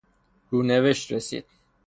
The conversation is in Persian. رونوشت رسید